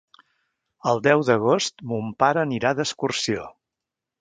El deu d'agost mon pare anirà d'excursió.